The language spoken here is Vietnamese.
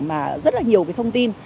mà rất là nhiều cái thông tin